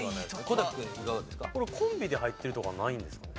これコンビで入ってるとかないんですかね？